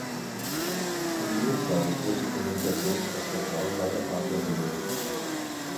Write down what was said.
In jedem Fall wird die Kommunikation und das Vertrauen beider Partner benötigt.